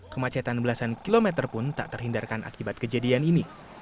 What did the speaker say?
kemacetan belasan kilometer pun tak terhindarkan akibat kejadian ini